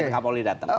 ya dia datang